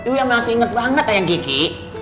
uya masih inget banget tanya kiki